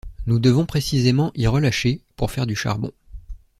Nous devons précisément y relâcher pour faire du charbon.